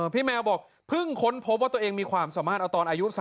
พี่แมวบอกเพิ่งค้นพบว่าตัวเองมีความสามารถเอาตอนอายุ๓๐